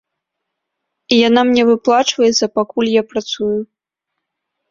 Яна мне выплачваецца, пакуль я працую.